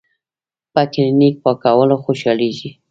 پۀ کلینک پاکولو خوشالیږي ـ